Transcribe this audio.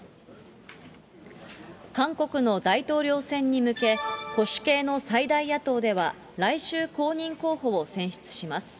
韓国の大統領選に向け、保守系の最大野党では、来週、公認候補を選出します。